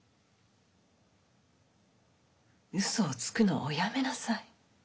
うそをつくのはおやめなさい。